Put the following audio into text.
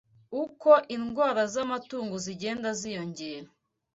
Uko indwara z’amatungo zigenda ziyongera